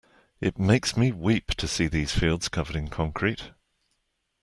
It makes me weep to see these fields covered in concrete.